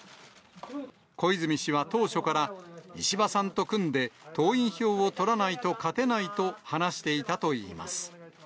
小泉氏は当初から、石破さんと組んで、党員票を取らないと勝てないと話していたといいます。